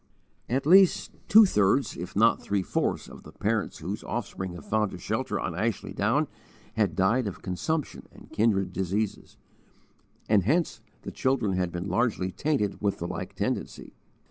At least two thirds, if not three fourths, of the parents whose offspring have found a shelter on Ashley Down had died of consumption and kindred diseases; and hence the children had been largely tainted with a like tendency.